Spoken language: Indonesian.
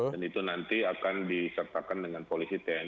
dan itu nanti akan disertakan dengan polisi tn